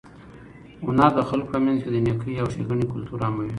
هنر د خلکو په منځ کې د نېکۍ او ښېګڼې کلتور عاموي.